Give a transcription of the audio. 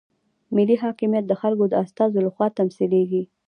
ملي حاکمیت د خلکو د استازو لخوا تمثیلیږي.